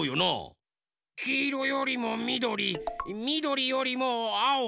きいろよりもみどりみどりよりもあお。